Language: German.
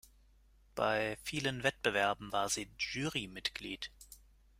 Bei vielen Wettbewerben war sie Jurymitglied.